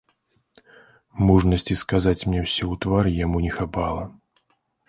Мужнасці сказаць мне ўсё ў твар яму не хапала.